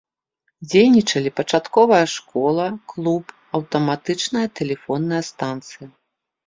Дзейнічалі пачатковая школа, клуб, аўтаматычная тэлефонная станцыя.